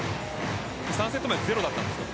３セット目はゼロだったんですよ。